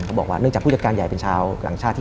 เขาบอกว่าเนื่องจากผู้จักรการใหญ่เป็นชาวหลังชาติ